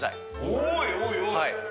おいおいおい。